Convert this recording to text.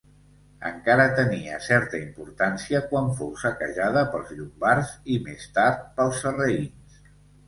Encara tenia certa importància quan fou saquejada pels llombards i més tard pels sarraïns.